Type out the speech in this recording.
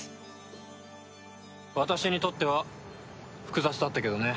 私にとっては複雑だったけどね。